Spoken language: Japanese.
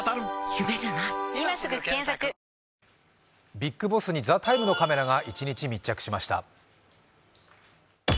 ビッグボスに「ＴＨＥＴＩＭＥ，」のカメラが一日密着しました。